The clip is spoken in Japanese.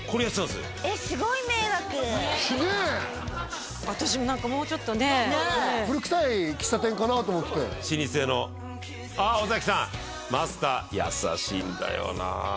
すごい迷惑ねえ私何かもうちょっとね古くさい喫茶店かなと思って老舗のあっ尾崎さんマスター優しいんだよな